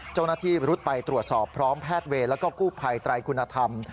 เจ้าหน้าที่รุดไปตรวจสอบพร้อมแพทย์เวรแล้วก็กู้ภัยไตรคุณธรรม